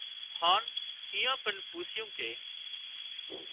هانَ ايئان ڪن پوسِيُون ڪي